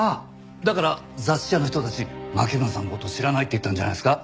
だから雑誌社の人たち牧村さんの事を知らないって言ったんじゃないですか？